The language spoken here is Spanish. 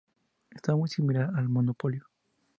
Es muy similar al monopolio.